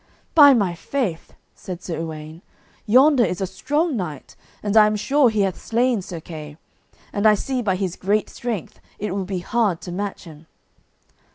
"By my faith," said Sir Uwaine, "yonder is a strong knight, and I am sure he hath slain Sir Kay; and I see by his great strength it will be hard to match him."